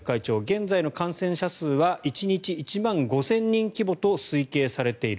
現在の感染者は１日１万５０００人規模と推計されている。